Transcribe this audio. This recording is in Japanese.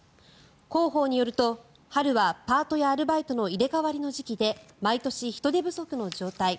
広報によると春はパートやアルバイトの入れ替わりの時期で毎年、人手不足の状態。